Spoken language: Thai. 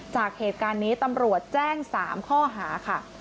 จากเหตุการณ์นี้ตำรวจแจ้ง๓ข้อหาค่ะ